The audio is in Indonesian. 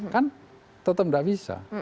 kan tetap tidak bisa